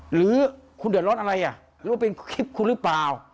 หรือคุณเดือดร้อนอะไรอ่ะหรือว่าเป็นคลิปคุณหรือเปล่า